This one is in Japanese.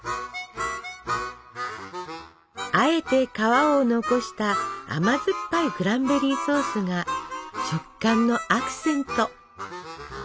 あえて皮を残した甘酸っぱいクランベリーソースが食感のアクセント！